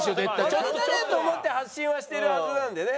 話題になれと思って発信はしてるはずなんだよね。